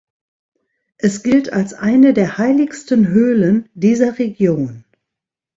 Es gilt als eine der heiligsten Höhlen dieser Region.